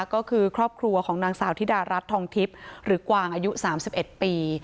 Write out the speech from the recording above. ก็คือครอบครัวของนางสาวธิดารัฐทองทิพย์หรือกวางอายุ๓๑ปี